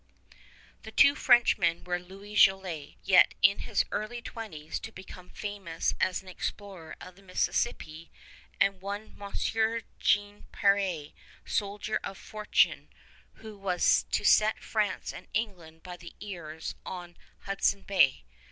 The two Frenchmen were Louis Jolliet, yet in his early twenties, to become famous as an explorer of the Mississippi, and one Monsieur Jean Peré, soldier of fortune, who was to set France and England by the ears on Hudson Bay.